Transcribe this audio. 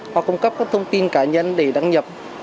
hoặc cung cấp các thông tin cá nhân để đăng nhập